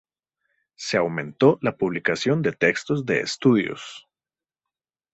Se aumentó la publicación de textos de estudios.